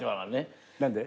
何で？